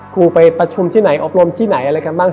ครูไปประชุมที่ไหนอบรมที่ไหนอะไรกันบ้าง